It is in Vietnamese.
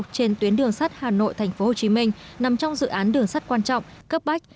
trên tuyến đường sắt hà nội tp hcm nằm trong dự án đường sắt quan trọng cấp bách